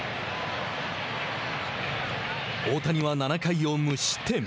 大谷は７回を無失点。